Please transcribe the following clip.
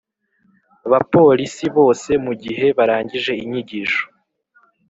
bapolisi bose mu gihe barangije inyigisho